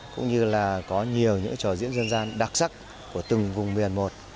cũng như là có nhiều những trò diễn dân gian đặc sắc của từng vùng miền một